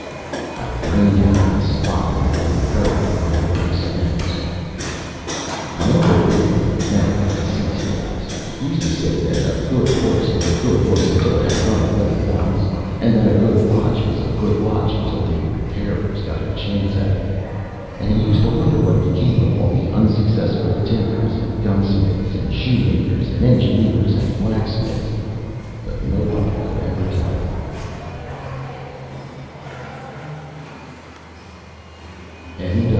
I brained him on the spot, and had him buried at my own expense. My uncle William (now deceased, alas!) used to say that a good horse was, a good horse until it had run away once, and that a good watch was a good watch until the repairers got a chance at it. And he used to wonder what became of all the unsuccessful tinkers, and gunsmiths, and shoemakers, and engineers, and blacksmiths; but nobody could ever tell him.